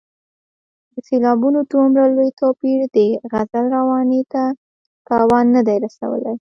د سېلابونو دومره لوی توپیر د غزل روانۍ ته تاوان نه دی رسولی.